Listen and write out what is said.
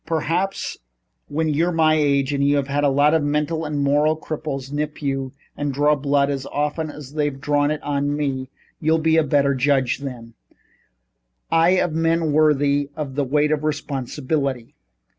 Perhaps, when you're my age and have a lot of mental and moral cripples nip you and draw blood as often as they've drawn it on me you'll be a better judge than I of men worthy of the weight of responsibility.